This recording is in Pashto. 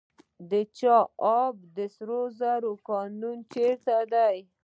د چاه اب د سرو زرو کان چیرته دی؟